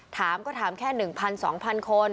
ถามก็ถามแค่๑๐๐๒๐๐คน